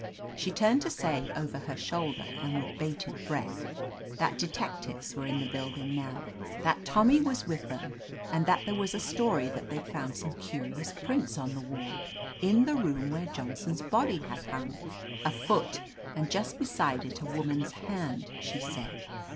She turned to say, over her shoulder and with bated breath, that detectives were in the building now, that Tommy was with them, and that there was a story that they'd found some curious prints on the wall in the room where Johnson's body had hung. "A foot, and just beside it a woman's hand," she said.